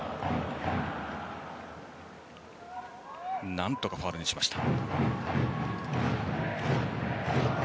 何とかファウルにしました。